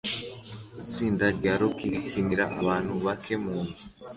Itsinda rya rock rikinira abantu bake mu nzu